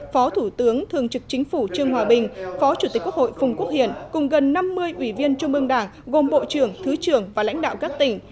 phó thủ tướng thường trực chính phủ trương hòa bình phó chủ tịch quốc hội phùng quốc hiển cùng gần năm mươi ủy viên trung ương đảng gồm bộ trưởng thứ trưởng và lãnh đạo các tỉnh